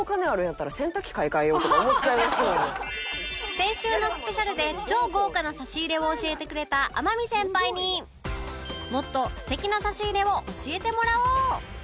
先週のスペシャルで超豪華な差し入れを教えてくれた天海先輩にもっと素敵な差し入れを教えてもらおう